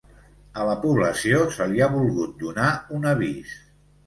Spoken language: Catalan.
A la població se li ha volgut donar un avís.